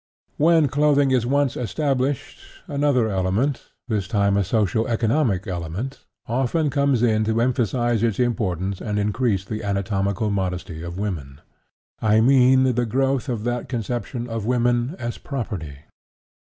When clothing is once established, another element, this time a social economic element, often comes in to emphasize its importance and increase the anatomical modesty of women. I mean the growth of the conception of women as property.